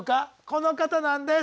この方なんです。